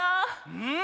うん！